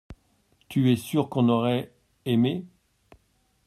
Tu es sûr qu’on aurait aimé.